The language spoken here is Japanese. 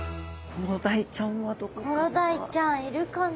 コロダイちゃんいるかな？